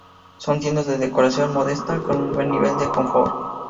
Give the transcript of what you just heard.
Son tiendas con decoración modesta, con un buen nivel de confort.